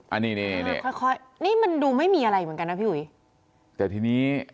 อันนี้นี่ค่อยค่อยนี่มันดูไม่มีอะไรเหมือนกันนะพี่อุ๋ยแต่ทีนี้